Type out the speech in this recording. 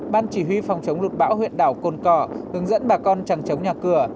ban chỉ huy phòng chống rụt bão huyện đảo côn cỏ hướng dẫn bà con chẳng chống nhà cửa